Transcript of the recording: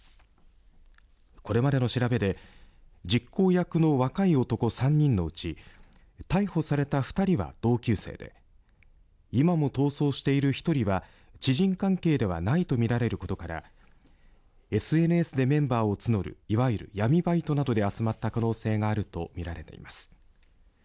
これまでの調べで実行役の若い男３人のうち逮捕された２人は同級生で今も逃走している１人は知人関係ではないと見られることからＳＮＳでメンバーを募るいわゆる闇バイトなどで集まった可能性があると見られています。